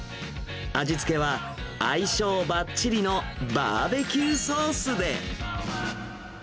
味付けは相性ばっちりのバーベキューソースで。